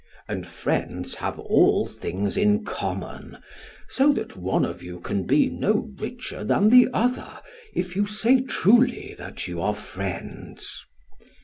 "'And friends have all things in common, so that one of you can be no richer than the other, if you say truly that you are friends.'